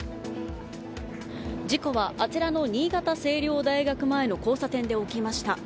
事故はあちらの新潟青陵大学前の交差点で起きました。